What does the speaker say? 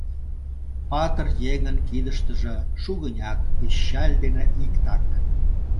Патыр еҥын кидыштыже шугынят пищаль дене иктак.